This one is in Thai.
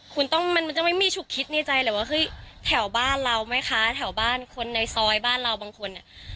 คุณต้องมันจะไม่มีฉุกคิดในใจเลยว่าเฮ้ยแถวบ้านเราไหมคะแถวบ้านคนในซอยบ้านเราบางคนเนี่ย